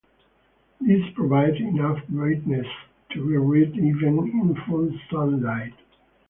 This provided enough brightness to be read even in full sunlight.